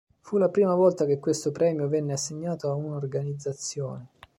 Fu la prima volta che questo premio venne assegnato a un'organizzazione.